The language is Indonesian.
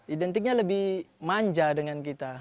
identiknya lebih manja dengan kita